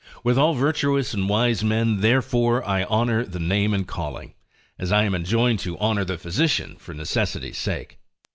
With all virtuous and wise men therefore I honour the name and calling, as I am enjoined to honour the physician for necessity's sake.